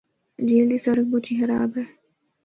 جھیل دی سڑک مُچ ہی خراب اے۔